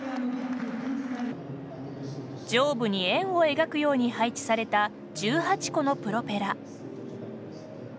上部に円を描くように配置された１８個のプロペラ。